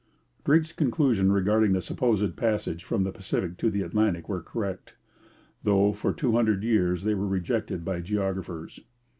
Drake's conclusions regarding the supposed passage from the Pacific to the Atlantic were correct, though for two hundred years they were rejected by geographers.